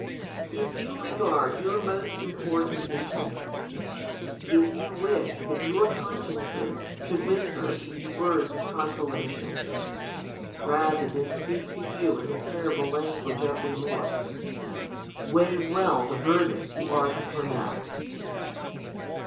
If you regard your most important interests ; if you wish that your consciences should whisper to you w^ords of consolation, rather than speak to you in the terrible language of remorse, weigh well the verdict you are to pronounce.